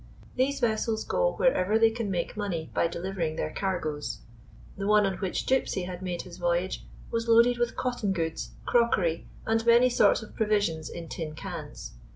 These vessels go wherever they can make money by delivering their cargoes. The one on which Gypsy had made his voyage was loaded with cotton goods, crockery and many sorts of provisions in tin cans.